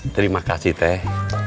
terima kasih teh